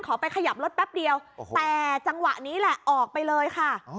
ไปขยับรถแป๊บเดียวแต่จังหวะนี้แหละออกไปเลยค่ะ